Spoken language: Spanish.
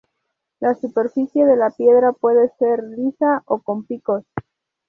La superficie de la piedra puede ser lisa o con picos.